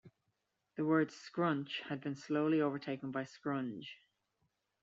The word "scrunch" had been slowly overtaken by "scrunge".